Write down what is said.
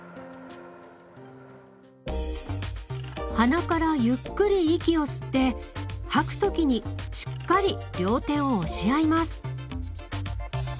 鼻からゆっくり息を吸って吐く時にしっかり両手を押し合います。